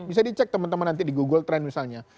bisa dicek teman teman nanti di google trend misalnya